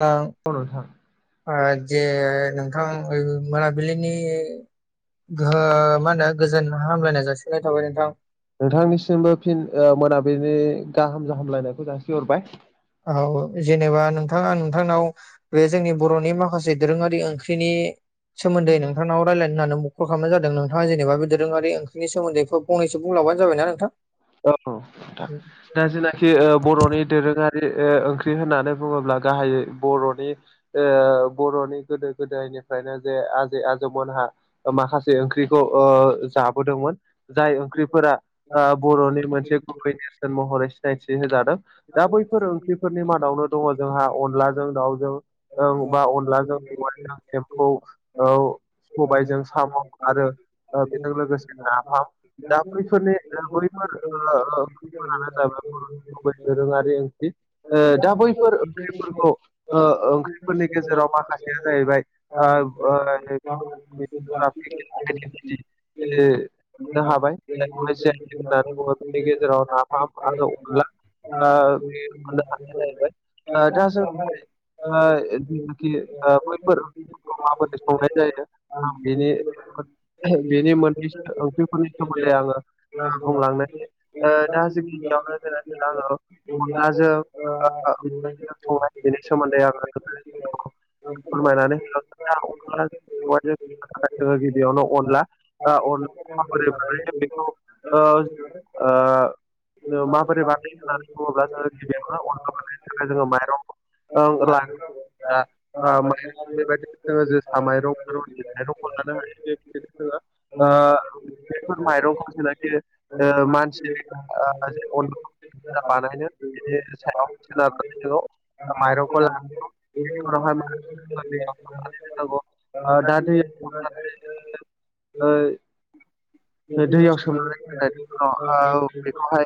आ औ नोथां जे नोंथां मोनाबिलिनि हो मा होनो गोजोन हामलायनाय जासिनाय थाबाय नोंथां नोंथांनिसिमबो फिन मोनाबिलिनि गाहाम हामलायनायखौ जासिहरबाय औ जेनेबा नोंथाङा नोंथांनाव बे जोंनि बर'नि माखासे दोरोङारि ओंख्रिनि सोमोन्दै नोंथांनाव राय्लाय होननानै कल खालामनाय जादों नोंथा जेबा दोरोङारि ओंख्रिनि सोमोन्दैखौ फंनैसो बुंबानो जाबायना नोंथां औ नोंथां दा जेनाखि बर'नि दोरोङारि ओंख्रि होननानै बुङोब्ला गाहायै बर'नि बर'नि गोदो गोदायनिफ्रायनो जे आजै आजौमोनहा माखासे ओंख्रिखौ जाबोदोंमोन जाय ओंख्रिफोरा बर'नि मोनसे गुबै महरै सिनायथि होजादों दा बैफोर ओंख्रिफोरनि मादावनो दङ जोंहा अनलाजों दाउजों औ ओ जेनेबा माबा अनलाजों मेवाइजों एम्फौ सबायजों साम' आरो बेजों लोगोसे नाफाम जा बैफोरनि बै गुबै [unintelligible] दोरोङारि दा बैफोर ओंख्रिफोरखौ ओ फोरनि गेजेराव माखासेया जाहैबाय [unintelligible] हाबाय खायसे बेफोरना गेजेराव नाफाम आरो अनला बे दा जों जानाखि बैफोर अमाफोरजों संनाय जायो आं बेनि बेनि मोननै ओंख्रिफोरनि सोमोन्दै आङो बुंलांनाय बुंलांनोसै दा जों गिबिवनो जोन आङो अनलाजों [unintelligible] बिनि सोमोन्दै [unintelligible] फोरमायनानै हो गिबियावनो अनला [unintelligible] अनला बेखौ [unintelligible] माबोरै बायो होननानै बुङोब्ला जोङो गिबियावनो अनला बानायनायनो थाखाय जोङो माइरंखौ ओं ला माने [unintelligible] बेबायदिनो जोङो जोसा माइरंथाइ रनजिथ माइरं हरलानो हायोनो जोङो आ बेफोर माइरंखौ जनाखि आ मानसि आ अनला [unintelligible] जा बानायो बा माइरंखौ [unintelligible] उनावहाय मा बिदिनो दैयाव सोमनानै उनाव हाय [unintelligible] जोंनो ओ दैयाव सोमनानै दोननायनि उनाव बेखौहाय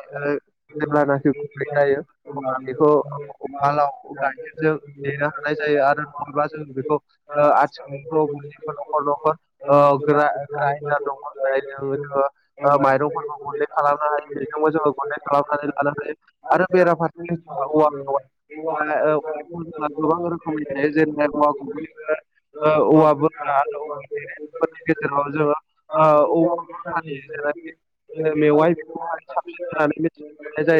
जेब्लानाखि गुरै जायो अब्ला बेखौ उवालाव गाय जों देनो हानाय जायो आरो नुयोबा जों बेखौ आथिखाल गैबो न'खर न'खर ओ ग्राइडार ग्राइडार दङ जोङो माइरंफोरखौ गुन्दै खालामनो हायो बेजोंबो जोङो गन्दै खालामनानै आरो आरो बेरा फारसेथिं औवा मेवाइ गोबां रोखोमै जायो जेरै हाय मोन आरो [unintelligible] [unintelligible] [unintelligible] औवा मेवाइफोरनि गेजेराव जोङो ओ, औवा बुरखानि जेनाखि ओ, मेवाइ बेखौहाय साबसिन होननानै मिथिनो मोननाय जायो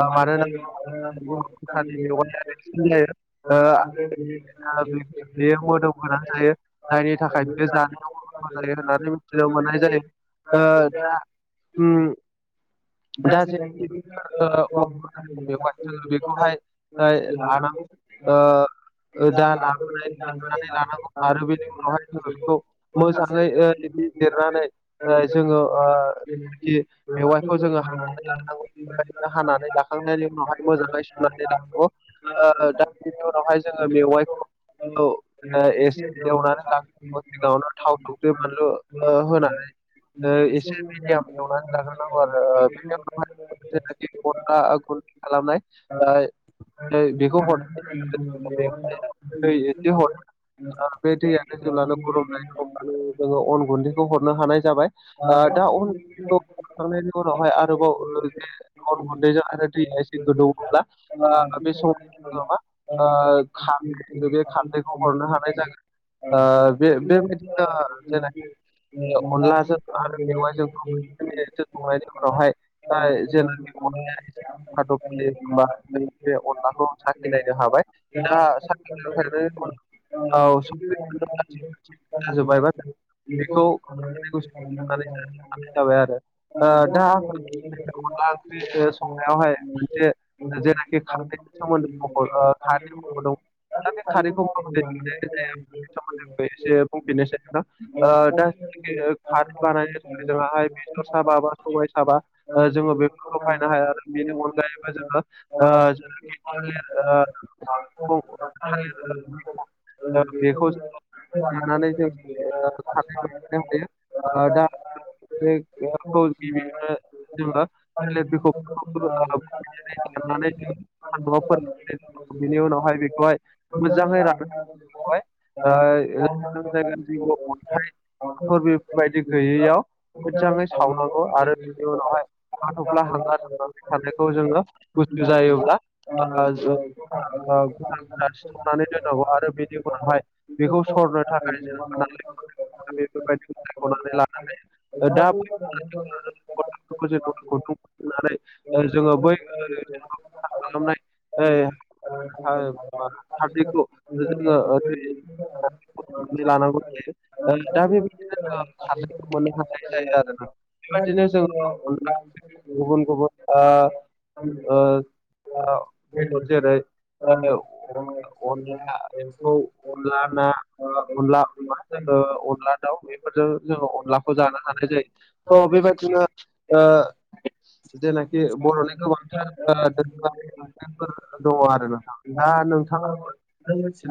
[unintelligible] मानो मानोना जायो औवा बर बुरखानि लिर मेवाइया देरसिन जायो आ ओ, [unintelligible] बेयो मोदोम गोनां जायो जायनि थाखाय बियो जानायावबो गोथाव जायो होननानै [unintelligible] मोननाय जायो दा उम दा जिनाखि औवा बुरखानि मेवाइ जोङो बेखौहाय लानांगौ ओ [unintelligible] ओ जा दा [unintelligible] आरो लाबोनाय नानै लानांगौ आरो बेनि बेनि उनावहाय जों जोङो बेखौ मोजाङै ओ जिरनानै जोङो खि ओ मेवाइखौ जोङो आ बेबायदिनो हानानै लाखांनायनि उनावहाय मोजाङै सुनानै लानांगौ ओ दानि उनावहाय जोङो मेवाइ औ एसे एवनानै लानांगौ सिगाङावनो थाव संख्रि बानलु होनानै एसे मिडयाम एवनानै लाग्रोनांगौ आरो ओ बेनि उनावहाय जानाखि अन गुनदै खालामनाय बेखौ हरनाय दै एसे हर [unintelligible] बे दैयानो जेब्लानो गरम जायो अब्लानो जोङो अन गुन्दैखौ हरनो हानाय जाबाय दा अन गुन्दैखौ हरखांनायनि उनावहाय आरोबाव ओ जि अन गुन्दैजों आरो दैया एसे गोदौब्ला ओ बे समाव जोङो मा ओ खारदै जोङो बे खारदैखौ हरनो हानाय जागोन ओ बे बेबायदिनो जानाखि अनलाजों आरो मेवाइजोंखौहाय [unintelligible] एसे खादब फैयो होमबा [unintelligible] जों बे अनलाखौ साखिनायनो हाबाय दा साखि बेला औ संख्रि फानलु गासैबो थिग जोबबायबा बेखौ [unintelligible] जाबाय आरो ओ दा आं अनला ओंख्रि संनायावहाय मोनसे [unintelligible] जेनाखि खारैनि सोमोन्दै दं दा बे खारैखौनाय जाया [unintelligible] सोमोन्दै एसे बुंफिननोसै नोंथां ओ दा [unintelligible] खारै बानायनो थाखाय जोंहाय बेदर साबा बा सबाय साबा जोङो बे फायनो हाया आरो बेनि अनगायैबो जोङो जखि [unintelligible] नंगौ नंगौ [unintelligible] बेखौ लानानै जों [unintelligible] जायो दा [unintelligible] [unintelligible] जेनेबा [unintelligible] बेखौ [unintelligible] [unintelligible] फोर बिनि उनावहाय बेखौहाय मोजाङै रानो ओ [unintelligible] फोर बेफोरबायदि गैयैयाव मोजाङै सावनांगौ आरो बेनि उनावहाय हाथफ्ला हांगार थांबाय थानायखौ जोङो गुसु जायोब्ला [unintelligible] गुदान गुदान सिथबनानै दोननांगौ आरो बेनि उनावहाय बेखौ सरनो थाखाय [unintelligible] बायदिखौ सायख'नानै लानो हायो। दा। [unintelligible] गथ'फोरखौ [unintelligible] ओ जोङो बै खालामनाय ओइ। जोङो ओ दै [unintelligible] फुदुंनानै लानांगौ जायो ओ दा बेबायदिनो जों [unintelligible] खारदैखौ मोननो हानाय जायो आरो बेबायदिनो जोङो [unintelligible] गुबुन गुबुन ओ ओ। ओ बेदर जेरै औ अनला ना अनला [unintelligible] अमा जोङो अनला दाउ बेफोरजों जोङो अनलाखौ जानो हानाय जायो। थ' बेबायदिनो ओ जेनाखि बर'नि गोबांथार [unintelligible] [unintelligible] फोर दङ आरो नोंथां दा नोंथाङा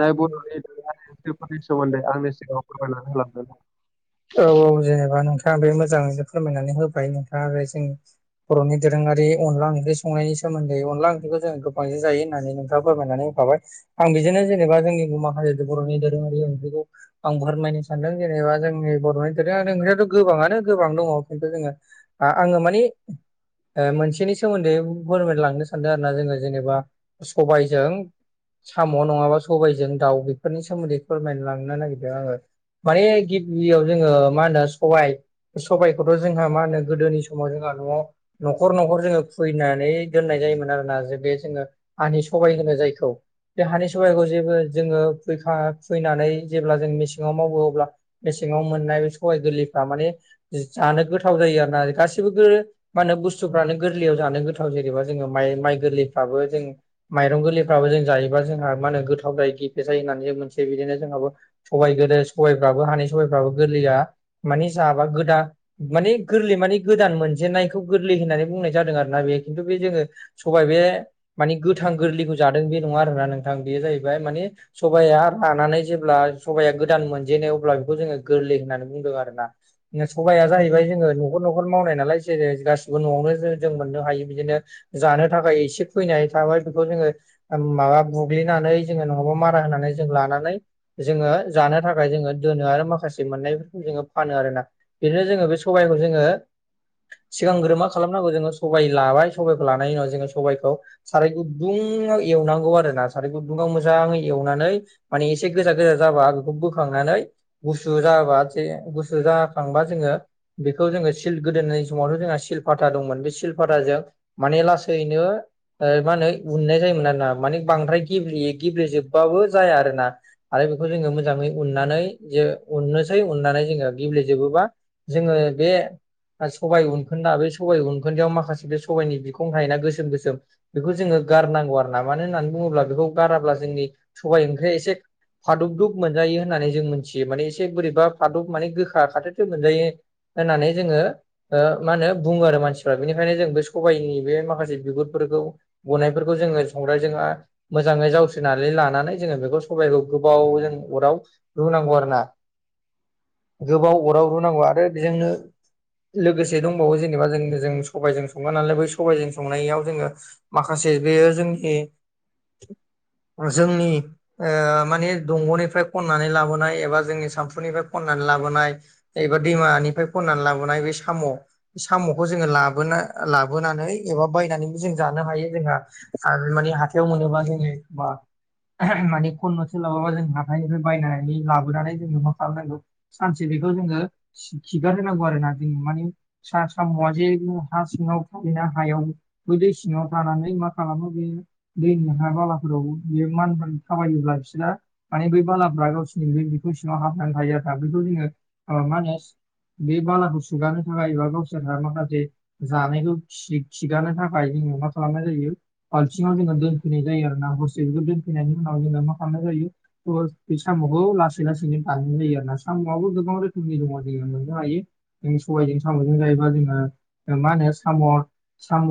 नाय बर'नि सोमोन्दै आंनि सिगाङाव फोरमायनानै होलांदों। औ। जेनेबा नोंथाङा बे मोजाङैनो फोरमायनानै होबाय नोंथाङा आरो जों बर'नि दोरोङारि अनला ओंख्रि संनायनि सोमोन्दै अनला ओंख्रिखौ जोङो गोबां जायो होननानै बुंङो। खो फोरमायनानै होखाबाय आं बिजोंनो जेनेबा जोंनि माखासे बर'नि दोरोङारि ओंख्रिखौ आं फोरमायनो सानदों जेनेबा जोंनि बर'नि दो जा नोंस्राथ' गोबाङानो गोबां दङ खिन्थु जोङो आ- आङो माने ओ मोनसेनि सोमोन्दै फोरमायलांनो सानदों आरो ना जोङो जेनेबा सबायजों साम' नङाबा सबायजों दाउ बेफोरनि सोमोन्दै फोरमायलांनो नागिरदों आङो माने गिबियाव जोङो मा होनो सबाय सबायखौथ' जोंहा मा होनो गोदोनि समाव जोंहा न'आव न'खर न'खर जोङो खुबैनानै दोननाय जायोमोन आरोना जों बे जोङो हानि सबाय होनो जायखौ, बे हानि सबाइखौ जेबो जोङो फैखा फैनानै जेब्ला जों मेसेङाव मावो अब्ला मेसेङाव मोननाय सबाय गोरलैफोरा माने जानो गोथाव जायो आरो ना गासैबो मा होनो बुस्थुफ्रानो गोरलैयाव जानो गोथाव जेनेबा जोङो माइ माइ गोरलैफ्राबो जों। माइरं गोरलैफ्राबो जों जायोबा जोंहा मा होनो गोथाव जायो गेफे जायो। होननानै मोनसे बिदिनो जोंहाबो सबाय गोदो सबायफ्राबो हानि सबाइफ्राबो गोरलैया माने जाबा गोदान माने गोरलै माने गोदान मोनजेननायखौ गोरलै होननानै बुंनाय जादों। आरोना बेयो खिन्थु बे जोङो सबाइ बे माने गोथां गोरलैखौ जादों बे नङा आरोना नोंथां बे जाहैबाय माने सबाया रानानै जेब्ला सबाया गोदान मोनजेनो अब्ला बेखौ जोङो गोरलै होननानै आरोना सबाया जाहैबाय जोङो न'खर न'खर मावनाय नालाय जेरै गासिबो न'आवनो जों मोननो हायो। बिदिनो जानो थाखाय इसे फैनाय थाबाय बेखौ जोङो। माबा बुग्लिनानै जोङो नङाबा मारा होनानै जों लानानै जोङो जानो थाख थाखाय जोङो दोनो आरो माखासे मोननायफोरखौ जोङो फानो आरोना बिदिनो जोङो बे सबायखौ जोङो सिगांग्रो मा खालामनांगौ जोङो सबाय लाबाय सबाइखौ लानायनि उनाव जोङो सबाइखौ साराय गुदुङाव एवनांगौ आरोना सारै गुदुङाव मोजाङै एवनानै माने एसे गोजा गोजा जाबा आ बेखौ बोखांनानै गुसु जाबा जे गुसु जाखांबा जोङो बेखौ जोङो सिल गोदोननि समावथ' जोंहा सिलपाता दंमोन बे सिलपाथाजों माने लासैनो मा होनो उननाय जायोमोन आरोना माने बांद्राय गिबे गिब्रेजोबाबो जाया आरोना आरो बेखौ जोङो मोजाङै उननानै जे अननोसै अननानै जोङो गेब्लेजोबोबा जोङो बे सबाय उनखौ बे सबाया उनखोन्दायाव माखासे बे सबाइनि बिखुं हायोना गोसोम गोसोम बेखौ जोङो गारनांगौ आरो ना मानो होननानै बुङोब्ला बेखौ गाराब्ला जोंनि सबाय ओंख्रिया एसे फादुबदुब मोनजायो होननानै जों मोनथियो माने एसे बोरै बा फादुब माने गोखा खाथौ खाथौ मोनजायो होननानै जोङो मा होनो बुङो आरो मानसि दा बिनिखायनो जों बे सबाइनि बे माखासे बिगुरफोरखौ गनायफोरखौ जोङो संनायजोंहा। मोजाङै जावस्रिनानै लानानै जोङो बेखौ सबाइखौ गोबाव जों अराव रुनांगौ आरोना गोबाव अराव रुनांगौ आरो बेजोंनो लोगोसे दंबावो जेबा जों जों सबाइजों संङा नालाय बै सबाइजों संनायाव जोङो माखासे बेयो जोंनि जोंनि मानि दंग'निफ्राय खन्नानै लाबोनाय एबा जोंनि सामफ्रा फ्राय खन्नानै लाबोनाय एबा दैमानिफ्राय खन्नानै लाबोनाय बे साम' साम'खौ जोङो लाबोना लाबोनानै एबा बायनानैबो जों जानो हायो जोंहा आरो माने हाथायाव मोनोबा जोङो मा माने खननो सोलाबाबा जों हाथाइनिफ्राय बायनानै लाबोनानै जोंङो मा खालामनांगौ सानसे बेखौ जोङो खिगार होनांगौ आरोना जों माने सा साम' जे हा सिङाव थायोना हायाव गोदै सिङाव थानानै मा खालामो बेयो दैनि हा बालाफोराव बेयो मानफोर थाबायोब्ला बिसोरो माने बै बालाफोरा गावसिनि बे बिगुर सिङाव हाबनानै थायो आरोा बेखौ जोङो मा होनो बे बालाखौ सुगारानो थाखाय एबा गावसोरहा माखासे जानायखौ खिगारनो थाखाय जोङो मा खालामनाय जायो बालथिङाव जोङो दोनफैनाय जायो आरो ना हरसे बेखौ दोनफैनायनि उनाव जोङो मा खालामनाय जायो बे साम'खौ लासै लासैनो जायो आरो ना साम'आबो गोबां रोखोमनि दङ जोङो मोननो हायो जों सबाइजों साम'जों जायोबा जोङो मा होनो साम' साम'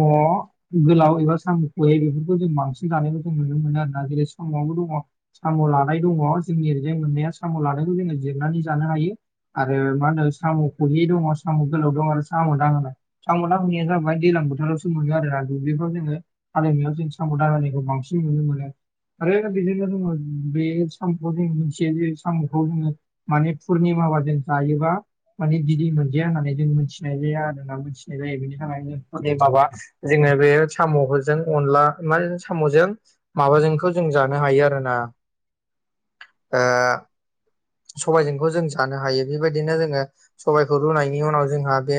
गोलाव एबा साम' खोये बेफोरखौ जों बांसिन जानायबो नुनो मोनो आरोना जेरै स'आवबो दङ साम' लादाय दङ जोंनि ओरैजाय मोननाया साम' लादायखौ जोङो जिरनानै जानो हायो आरो मा होनो साम' खुहे दङ साम' गोलाव दं आरो साम' दां होनाय थांबाया जाबाय दैज्लां बोथोरावसो मोनो आरोना दुब्लिफ्राव जोङो हालिएवनायाव जों साम लादायखौ बांसिन नुनो मोनो आरो बिदिनो दङ बे सामखौ जों मिथियो जे सामखौ जोङो माने पुर्निमा बाजों जायोबा माने बिदै मोनजाया होननानै जों मिथि मिथिनाय जाया आरो ना मिथिनाय जायो बेनि थाखायनो माबा जोङो बे साम'फोरजों अनला मा साम'जों माबाजोंखौ जों जानो हायो आरोना ओ सबायजोंखौ जों जानो हायो बेबायदिनो जोङो सबायखौ रुनायनि उनाव जोंहा बे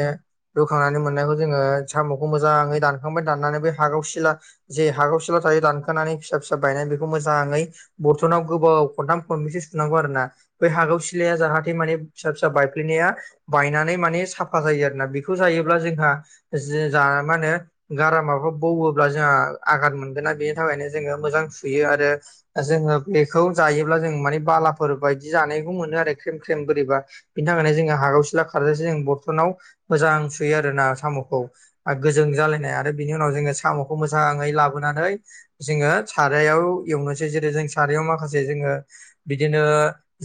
रुखांनानै मोननायखौ जोङो साम'खौ मोजाङै दानखांबाय दाननानै बे हागाव सिला जे हागाव सिला थायो दानखानानै फिसा फिसा बायनाय बेखौ मोजाङै बरथ'नाव गोबाव खनथाम खननैसो सुनांगौ आरो ना बै हागौ सिलाया जाहाथे माने फिसा फिसा बायफ्लेनाया बायनानै माने साफा जायो आरोना बेखौ जायोब्ला जोंहा जो मा होनो गारामाखौ बौब्ला जोंहा आघत मोनगोना बेनि थाखायनो जोङो मोजां सुयो आरो दा जों बेखौ जायोब्ला जों माने बालाफोर बायदि जानायखौ मोनो आरो ख्रेम ख्रेम बोरैबा बिनि थाखायनो जोङो हागाव सिला खारजासो जों बरथ'नाव मोजां सुयो आरोना साम'खौ गोजों जालायनाय आरो बिनि उनाव जोङो साम'खौ मोजाङै लाबोनानै जोङो सारायाव एवनोसै जेरै जों सारायाव माखा से जोङो बिदिनो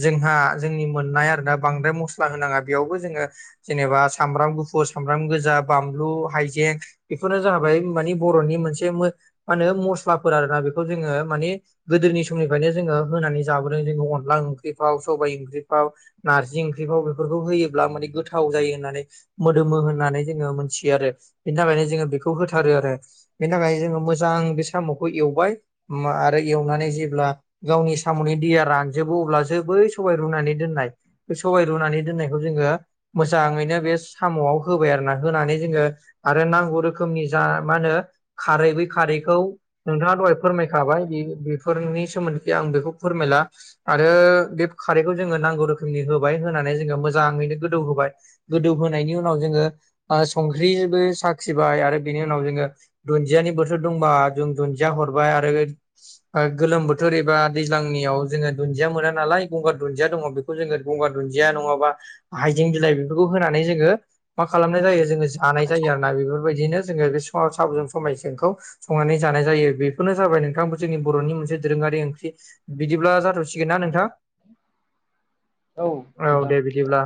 जोंहा जोंनि मोननाय आरोना बांद्राय मस्ला होनाङा बेयावबो जोङो जेनेबा सामब्राम गुफुर सामब्राम गोजा बानलु हाइजें बेफोरनो जाबाय मानि बर'नि मोनसे मो मा होनो मस्लाफोर आरोना बेखौ जोङो माने गोदोनि समनिफ्रायनो जोङो होनानै जाबोदों जों अनला ओं फाव सबाय ओंख्रिफाव नारजि ओंख्रिफाव बेफोरखौ होयोब्ला माने गोथाव जायो होननानै मोदोमो होननानै जोङो मोनथियो आरो बिनि थाखायनो जोङो बेखौ होथारो आरो बेनि थाखाय जोङो मोजां बे साम'खौ एवबाय आरो एवनानै जेब्ला गावनि साम'नि दैया रानजोबो अब्ला जो बै सबाय रुनानै दोननाय बे सबाय रुनानै दोननाय बेखौ जोङो मोजाङैनो बे साम'आव होबाय आरोना होनानै जोङो आरो नांगौ रोखोमनि जा मा होनो खारै बै खारैखौ नोंथाङा दहाय फोरमायखाबाय बि-बेफोरनि सोमोन्दै आं बेखौ फोरमायला आरो बे खारैखौ जोङो नांगौ रोखोमनि होबाय होनानै जोङो मोजाङै गोदौ होबाय गोदौहोनायनि उनाव जोङो ओ संख्रिबो साखिबाय आरो बिनि उनाव जोङो दुन्दियानि बोथोर दंबा जों दुन्दिया हरबाय आरो गोलोम बोथोर एबा दैज्लांनियाव जोङो दुन्दिया मोना नालाय गंगार दुन्दिया दङ बे खौ जोङो गंगार दुन्दिया नङाबा हाइजें बिलाइ बेफोरखौ होनानै जोङो मा खालामनाय जायो जोङो जानाय जायो आरो ना बेफोरबायदिनो जोङो बे सिङाव साबजों सबायजोंखौ संनानै जानाय जायो बेफोरनो जाबाय नोंथांबो जोंनि बर'नि मोनसे दोरोङारि ओंख्रि बिदिब्ला जाथ'सिगोन ना नोंथां? औ औ नोंथां दे बिदिब्ला